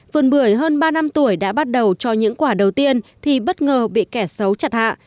vườn bưởi hơn ba năm tuổi đã bắt đầu cho những quả đầu tiên thì bất ngờ bị kẻ xấu chặt hạ